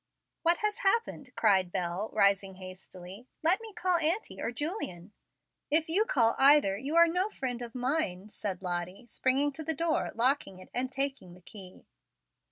"What has happened?" cried Bel, rising hastily. "Let me call auntie or Julian." "If you call either you are no friend of mine," said Lottie, springing to the door, locking it, and taking the key.